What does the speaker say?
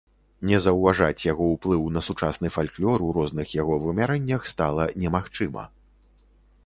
Не заўважаць яго ўплыў на сучасны фальклор у розных яго вымярэннях стала немагчыма.